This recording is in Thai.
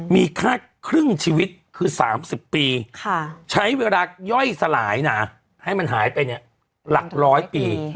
มีค่าครึ่งชีวิตคือ๓๐ปีใช้เวลาย่อยสลายนะให้มันหายไปเนี่ยหลักร้อยปี